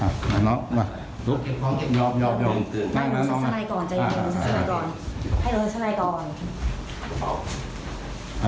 อัศไลก่อนเลยเดี๋ยวพูดเยอะค่ะ